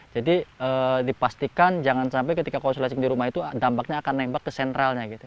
jadi dipastikan jangan sampai ketika konsulating di rumah itu dampaknya akan nembak ke sentralnya gitu